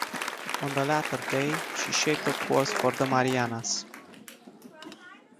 On the latter day, she shaped a course for the Marianas.